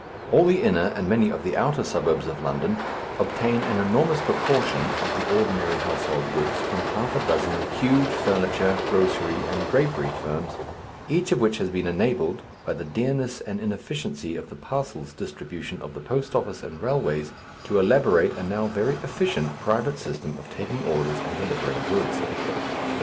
All the inner and many of the outer suburbs of London obtain an enormous proportion of the ordinary household goods from half a dozen huge furniture, grocery, and drapery firms, each of which has been enabled by the dearness and inefficiency of the parcels distribution of the post office and railways to elaborate a now very efficient private system of taking orders and delivering goods.